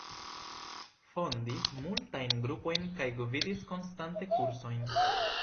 Fondis multajn grupojn kaj gvidis konstante kursojn.